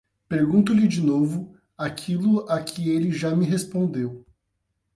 pergunto-lhe de novo aquilo a que ele já me respondeu